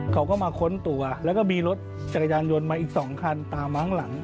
เขาก็มาค้นตัวแล้วก็มีรถจักรยานยนต์มาอีก๒คันตามมาข้างหลัง